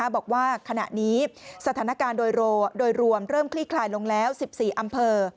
บอกว่าขณะนี้สถานการณ์โดยรวมเริ่มคลี่คลายลงแล้ว๑๔อำเภอ